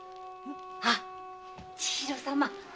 あ千尋様。